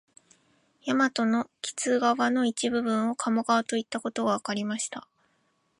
大和の木津川の一部分を鴨川といったことがわかりました